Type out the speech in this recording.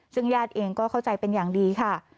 ซึ่งญาติเองก็เข้าใจเป็นอย่างดีค่ะ